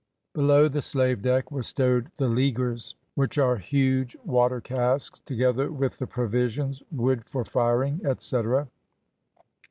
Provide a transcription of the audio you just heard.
Below the slave deck were stowed the leaguers, which are huge water casks, together with the provisions, wood for firing, etcetera.